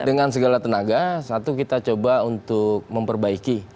dengan segala tenaga satu kita coba untuk memperbaiki